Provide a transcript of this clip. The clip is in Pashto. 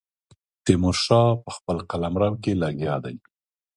تیمور شاه په خپل قلمرو کې لګیا دی.